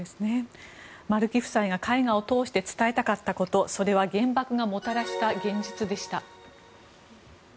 丸木夫妻が絵画を通して伝えたかったことそれは原爆がもたらした現実でした。